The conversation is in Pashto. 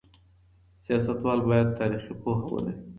سیاستوال باید تاریخي پوهه ولري.